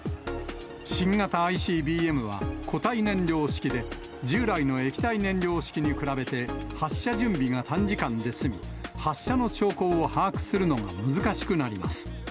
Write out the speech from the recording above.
新型ＩＣＢＭは、固体燃料式で、従来の液体燃料式に比べて、発射準備が短時間で済み、発射の兆候を把握するのが難しくなります。